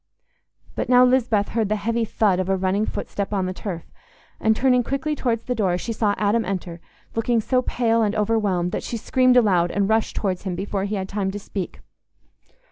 But now Lisbeth heard the heavy "thud" of a running footstep on the turf, and, turning quickly towards the door, she saw Adam enter, looking so pale and overwhelmed that she screamed aloud and rushed towards him before he had time to speak.